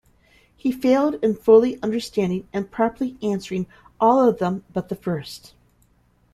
He failed in fully understanding and properly answering all of them but the first.